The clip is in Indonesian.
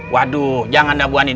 waduh jangan dah bu andien